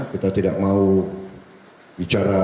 kita tidak mau bicara